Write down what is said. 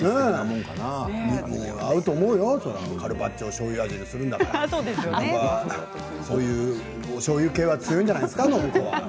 合うと思うよカルパッチョしょうゆ味にするんだからおしょうゆ系は暢子は強いんじゃないですか。